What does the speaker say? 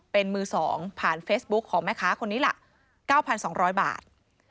เป็นมือ๒ผ่านเฟซบุ๊คของแม่ค้าคนนี้ล่ะ๙๒๐๐บาท